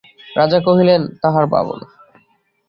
রাজা কহিলেন, তাহার ভাবনা?